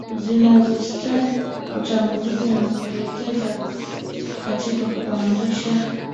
zinazostawi kutanguliza na kuwekeza katika kuanzisha